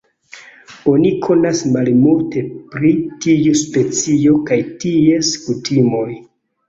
Oni konas malmulte pri tiu specio kaj ties kutimoj.